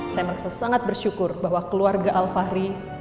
saya sangat bersyukur bahwa keluarga al fahri